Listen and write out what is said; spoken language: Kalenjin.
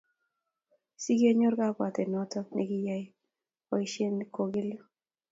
Sigengor kabwatet noto negiyey boishet kogigelu